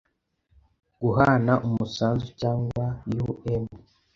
guhana umusanzu cyangwa um